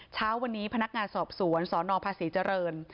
เช้าวันนี้พนักงานสอบสวนสนภาษีเจริญ